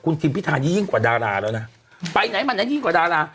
คุณทิมพิธานยิ่งกว่าดาราแล้วน่ะไปไหนมันน่ะยิ่งกว่าดารา